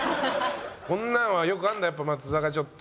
こんなんはよくあるんだやっぱ松田がちょっと。